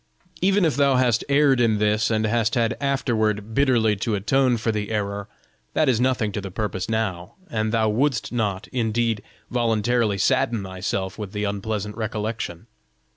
Even if thou hast erred in this, and hast had afterward bitterly to atone for the error, that is nothing to the purpose now, and thou wouldst not, indeed, voluntarily sadden thyself with the unpleasant recollection.